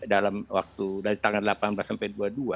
dalam waktu dari tanggal delapan belas sampai dua puluh dua